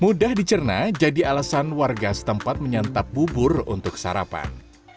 mudah dicerna jadi alasan warga setempat menyantap bubur untuk sarapan